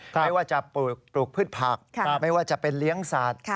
ใครว่าจะปลูกพืชผักไม่ว่าจะเป็นเลี้ยงสัตว์